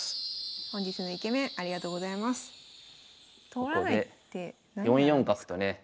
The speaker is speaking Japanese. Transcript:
ここで４四角とね。